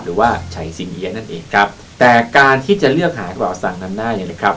หรือว่าชัยซิงเยะนั่นเองครับแต่การที่จะเลือกหากล่าวสั่งนั้นได้เนี่ยนะครับ